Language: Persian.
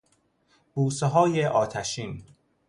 بوسههای آتشین